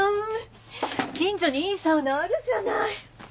近所にいいサウナあるじゃない。